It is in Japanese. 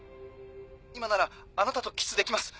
今ならあなたとキスできます